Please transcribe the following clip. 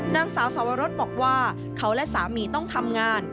นางสาวสวรสบอกว่าเขาและสามีต้องทำงาน